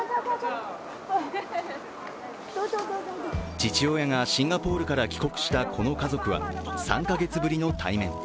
父親がシンガポールから帰国したこの家族は３か月ぶりの対面。